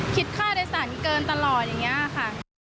คิดค่าโดยสารเกินตลอดอย่างนี้ค่ะ